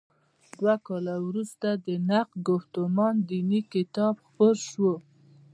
دوه کاله وروسته د نقد ګفتمان دیني کتاب خپور شو.